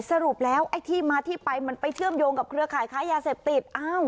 สรุปแล้วไอ้ที่มาที่ไปมันไปเชื่อมโยงกับเครือขายค้ายาเสพติด